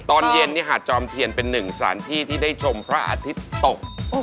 ตอนเย็นหาดจอมเทียนเป็นหนึ่งสถานที่ที่ได้ชมพระอาทิตย์ตก